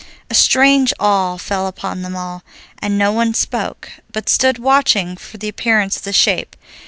A strange awe fell upon them all, and no one spoke, but stood watching for the appearance of the shape.